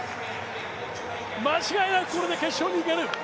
間違いなくこれで決勝に行ける。